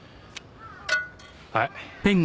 はい。